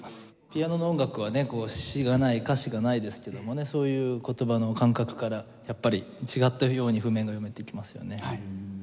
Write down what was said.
ピアノの音楽はね詞がない歌詞がないですけどもねそういう言葉の感覚からやっぱり違っているように譜面が読めてきますよね。